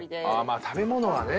まあ食べ物はね。